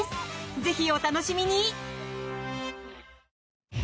ぜひお楽しみに！